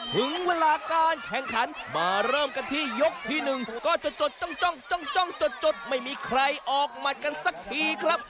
ถึงเวลาการแข่งขันมาเริ่มกันที่ยกที่๑ก็จะจดจ้องจดไม่มีใครออกหมัดกันสักทีครับ